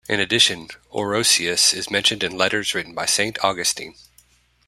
In addition, Orosius is mentioned in letters written by Saint Augustine.